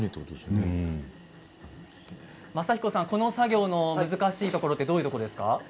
雅彦さん、この作業の難しいところどういうところですか？